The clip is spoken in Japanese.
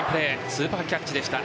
スーパーキャッチでした。